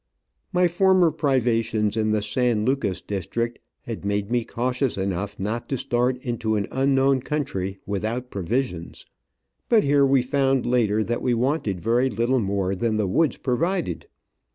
My former privations in the San Lucas district had made me cautious enough not to start into an unknown country without pro visions. But here we found later that we wanted very little more than the woods provided.